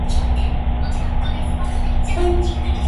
Under Chinese law, foreigners may not inspect Chinese farms.